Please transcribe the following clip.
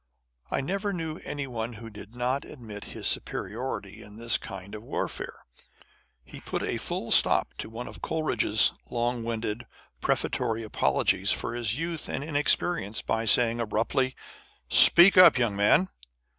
I never knew anyone who did not admit his superiority in this kind of warfare. He put a full stop to one of Coleridge's long winded prefatory apologies for his youth and inexperience, by saying abruptly, " Speak up, young man